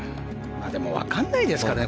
でも、分からないですからね。